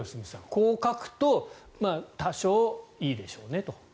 こう書くと多少いいでしょうねと。